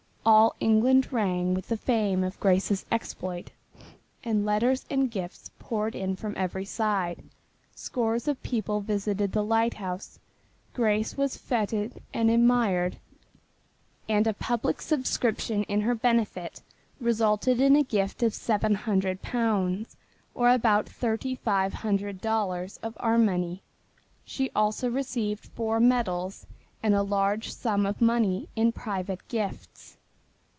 All England rang with the fame of Grace's exploit, and letters and gifts poured in from every side. Scores of people visited the lighthouse. Grace was feted and admired, and a public subscription in her benefit resulted in a gift of seven hundred pounds, or about thirty five hundred dollars of our money. She also received four medals, and a large sum of money in private gifts.